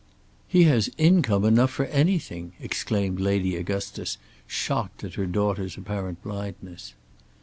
"He has income enough for anything!" exclaimed Lady Augustus, shocked at her daughter's apparent blindness.